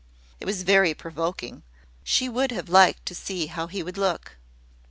It was very provoking: she should have liked to see how he would look.